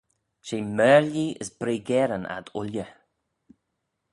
She maarlee as breagyryn ad ooilley.